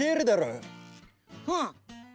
うん。